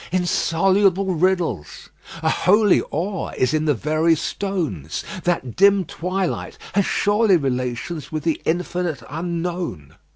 Insoluble riddles! A holy awe is in the very stones; that dim twilight has surely relations with the infinite Unknown.